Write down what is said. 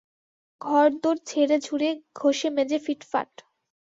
ঘরদোর ঝেড়েঝুড়ে, ঘষেমেজে ফিটফাট।